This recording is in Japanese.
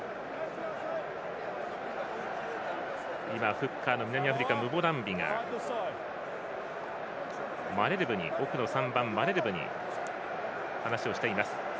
フッカーの南アフリカムボナンビが奥の３番、マレルブに話をしています。